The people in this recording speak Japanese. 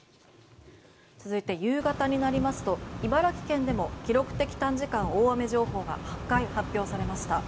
続いて夕方になりますと茨城県でも記録的短時間大雨情報が８回発表されました。